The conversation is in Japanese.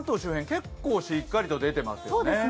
結構、しっかりと出ていますよね。